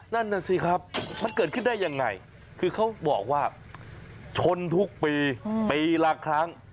นั่นน่ะสิครับมันเกิดขึ้นได้ยังไงคือเขาบอกว่าชนทุกปีปีละครั้ง